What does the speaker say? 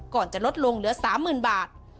ก่อนจะลดลงเหลือ๓หมื่นบาท